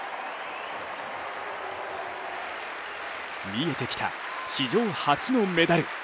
見えてきた史上初のメダル。